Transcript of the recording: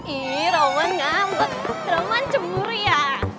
ih roman ngambek roman cemburu ya